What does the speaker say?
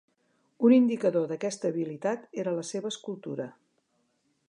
Un indicador d'aquesta habilitat era la seva escultura.